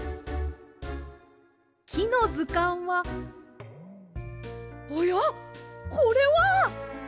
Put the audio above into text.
「きのずかん」はおやこれは！？